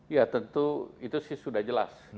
ya tentu itu sudah jelas